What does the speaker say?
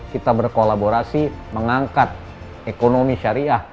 kita berkolaborasi mengangkat ekonomi syariah